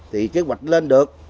thì kế hoạch lên được